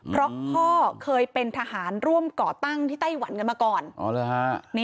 เพราะพ่อเคยเป็นทหารร่วมก่อตั้งที่ไต้หวันกันมาก่อน